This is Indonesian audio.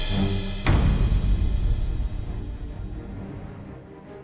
aku sudah berpikir